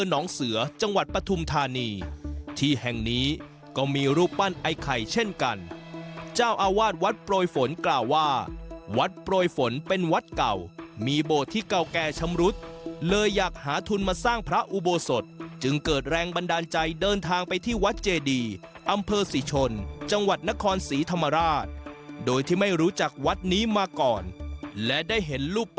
น้องเสือจังหวัดปฐุมธานีที่แห่งนี้ก็มีรูปปั้นไอ้ไข่เช่นกันเจ้าอาวาสวัดโปรยฝนกล่าวว่าวัดโปรยฝนเป็นวัดเก่ามีโบสถ์ที่เก่าแก่ชำรุดเลยอยากหาทุนมาสร้างพระอุโบสถจึงเกิดแรงบันดาลใจเดินทางไปที่วัดเจดีอำเภอศรีชนจังหวัดนครศรีธรรมราชโดยที่ไม่รู้จักวัดนี้มาก่อนและได้เห็นรูป